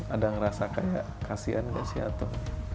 ada ngerasa kayak kasian nggak sih atau